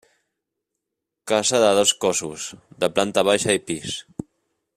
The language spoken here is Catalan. Casa de dos cossos, de planta baixa i pis.